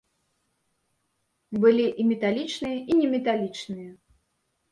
Былі і металічныя, і неметалічныя.